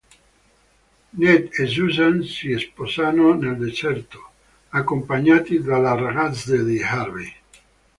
Ned e Susan si sposano nel deserto, accompagnati dalle "ragazze di Harvey".